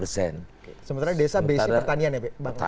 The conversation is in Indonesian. sementara desa basic pertanian ya pak